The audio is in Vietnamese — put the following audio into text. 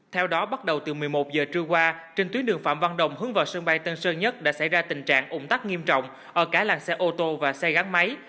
theo đó bắt đầu từ một mươi một giờ trưa qua trên tuyến đường phạm văn đồng hướng vào sân bay tân sơn nhất đã xảy ra tình trạng ủng tắc nghiêm trọng ở cả làng xe ô tô và xe gắn máy